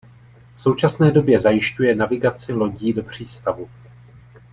V současné době zajišťuje navigaci lodí do přístavu.